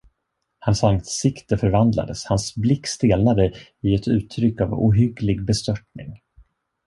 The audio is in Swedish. Hans ansikte förvandlades, hans blick stelnade i ett uttryck av ohygglig bestörtning.